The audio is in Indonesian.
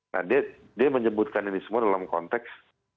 nah dia menyebutkan ini semua dalam konteks